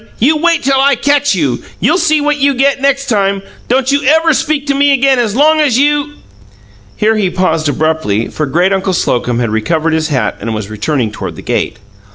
You wait till I catch you! You'll see what you get next time! Don't you ever speak to me again as long as you " Here he paused abruptly, for great uncle Slocum had recovered his hat and was returning toward the gate.